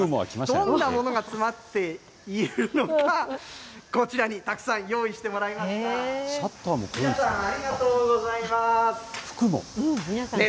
どんなものが詰まっているのか、こちらにたくさん用意してもらいシャッターも黒いですね。